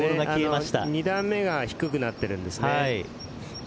２打目が低くなっているんですね。